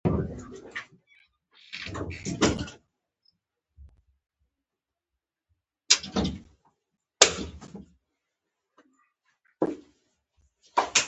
مخنیوی ښه دی.